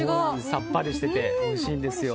さっぱりしていておいしいんですよ。